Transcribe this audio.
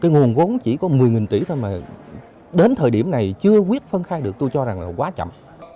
nguồn vốn chỉ có một mươi tỷ thôi mà đến thời điểm này chưa quyết phân khai được tôi cho rằng là quá chậm